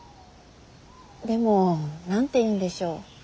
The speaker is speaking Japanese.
でも何て言うんでしょう。